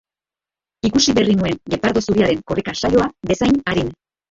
Ikusi berri nuen gepardo zuriaren korrika-saioa bezain arin.